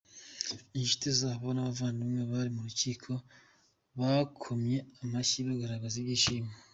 Inshuti zabo n'abavandimwe bari mu rukiko bakomye amashyi bagaragaza ibyishimo.